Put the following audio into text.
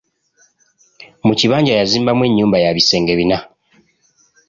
Mu kibanja yazimbamu ennyumba ya bisenge bina.